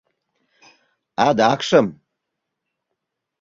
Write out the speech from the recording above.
Адакшым...